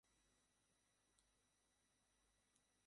আমরা একই পিতার সন্তান।